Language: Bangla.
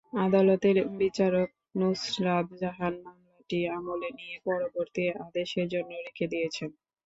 আদালতের বিচারক নুসরাত জাহান মামলাটি আমলে নিয়ে পরবর্তী আদেশের জন্য রেখে দিয়েছেন।